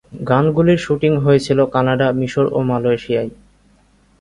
গানগুলির shooting হয়েছিল Canada, মিশর ও মালয়েশিয়ায়।